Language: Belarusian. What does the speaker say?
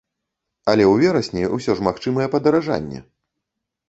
Але ў верасні ўсё ж магчымае падаражанне.